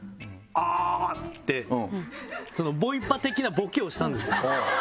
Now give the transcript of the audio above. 「アァ！」ってちょっとボイパ的なボケをしたんですよ。